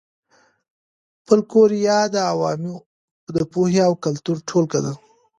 فولکلور د عوامو د پوهې او کلتور ټولګه ده